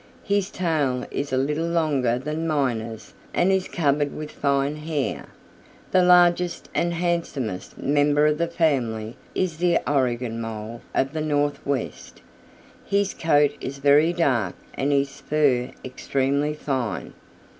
His tail is a little longer than Miner's and is covered with fine hair. The largest and handsomest member of the family is the Oregon Mole of the Northwest. His coat is very dark and his fur extremely fine.